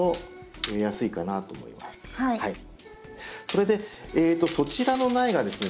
それでそちらの苗がですね